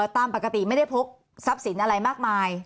ตามปกติไม่ได้พกทรัพย์สินอะไรมากมาย